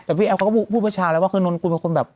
แต่พี่แอฟเขาก็พูดเมื่อชาแล้วว่าคือนนกุลเป็นคนแบบ